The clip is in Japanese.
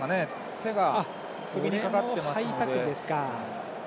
手が、首にかかってますね。